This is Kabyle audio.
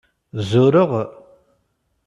Zureɣ?